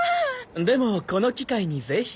でもこの機会にぜひ。